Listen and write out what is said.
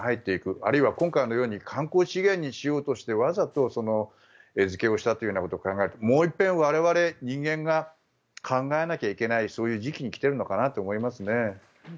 あるいは今回のように観光資源にしようとしてわざと餌付けをしたということを考えるともう一遍、我々人間が考えないといけないそういう時期に来ているのかなと思いますね。